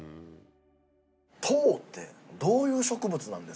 籐ってどういう植物なんですか？